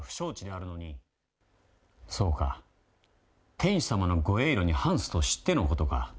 そうか、天子様のご叡慮に反すと知ってのことか。